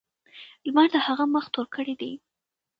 لمر د هغه مخ تور کړی دی.